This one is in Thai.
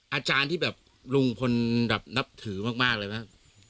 อาจารย์ที่แบบลุงพลแบบนับถือมากเลยไหม